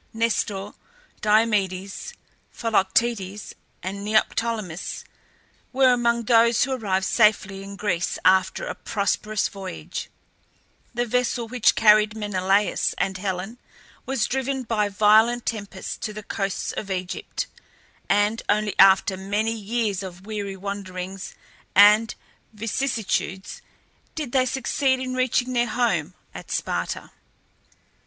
Nestor, Diomedes, Philoctetes, and Neoptolemus were among those who arrived safely in Greece after a prosperous voyage. The vessel which carried Menelaus and Helen was driven by violent tempests to the coast of Egypt, and only after many years of weary wanderings and vicissitudes did they succeed in reaching their home at Sparta.